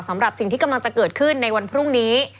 สำหรับสิ่งที่กำลังจะเกิดขึ้นในวันพรุ่งนี้